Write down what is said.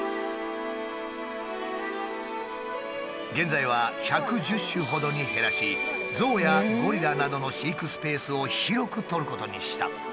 現在は１１０種ほどに減らしゾウやゴリラなどの飼育スペースを広く取ることにした。